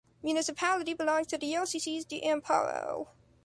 Municipality belongs to Diócesis de Amparo.